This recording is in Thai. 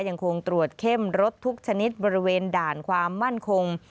ยังคงตรวจเข้มรถทุกชนิดบริเวณด่านความมั่นคง